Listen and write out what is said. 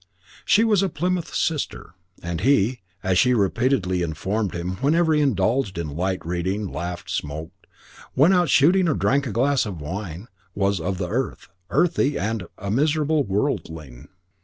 She was a Plymouth Sister, and he, as she repeatedly informed him whenever he indulged in light reading, laughed, smoked, went out shooting, or drank a glass of wine, was of the earth, earthy, and a miserable worldling.